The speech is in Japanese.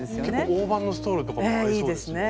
大判ストールとかも合いそうですよね。